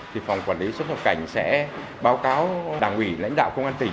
thì phòng quản lý xuất nhập cảnh sẽ báo cáo đảng ủy lãnh đạo công an tỉnh